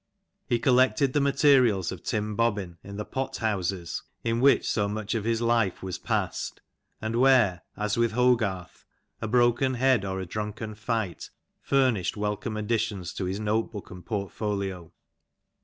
He collected the materials of Tim Bobbin in the *' pot houses'*" in which so much of his life was passed, and where (as with Hogarth) a broken head or a drunken fight furnished welcome additions to his note book and portfolio.